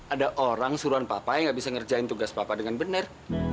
ada orang suruhan papa yang gak bisa ngerjain tugas papa dengan benar